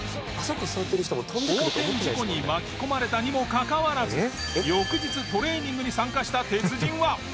横転事故に巻き込まれたにもかかわらず翌日トレーニングに参加した鉄人は。